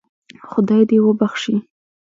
خدای دې وبخشي.